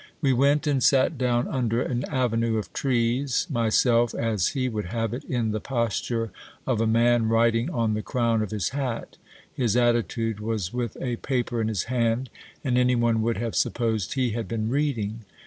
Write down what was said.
We went and sat down under an avenue of trees ; myself, as he would have it, in the posture of a man writing on the crown of his hat ; his attitude was with a paper in his hand, and any one would have supposed he had been reading.